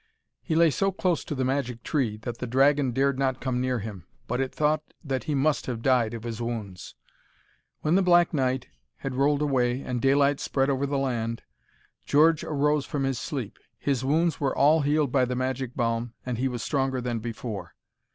He lay so close to the magic tree that the dragon dared not come near him, but it thought that he must have died of his wounds. When the black night had rolled away and daylight spread over the land, George arose from his sleep. His wounds were all healed by the magic balm, and he was stronger than before.